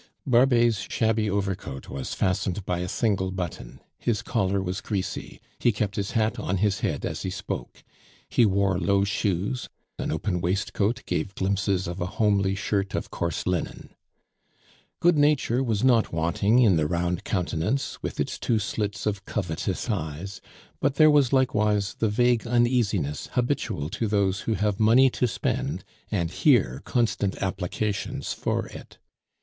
Barbet's shabby overcoat was fastened by a single button; his collar was greasy; he kept his hat on his head as he spoke; he wore low shoes, an open waistcoat gave glimpses of a homely shirt of coarse linen. Good nature was not wanting in the round countenance, with its two slits of covetous eyes; but there was likewise the vague uneasiness habitual to those who have money to spend and hear constant applications for it.